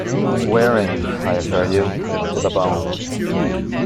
Wearing, I assure you, to the bone!